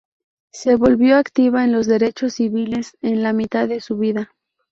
Se volvió activa en los derechos civiles en la mitad de su vida.